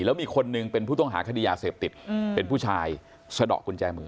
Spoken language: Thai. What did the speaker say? แล้วมีคนหนึ่งเป็นผู้ต้องหาคดียาเสพติดเป็นผู้ชายสะดอกกุญแจมือ